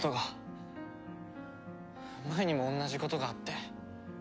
前にも同じことがあって。